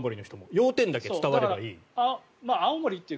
要点だけ伝わればいい。